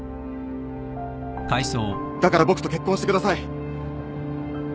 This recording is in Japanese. だから僕と結婚してください！